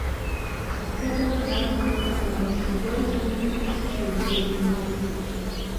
Апхуэдэу хъуатэмэ, нэгъуэщӀ зыгуэру хъунри хэлът си усэным и Ӏуэхур.